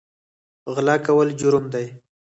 غلا کول جرم دی